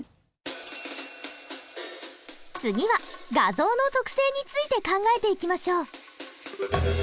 次は画像の特性について考えていきましょう。